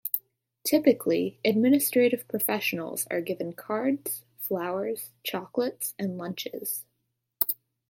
Typically administrative professionals are given cards, flowers, chocolates, and lunches.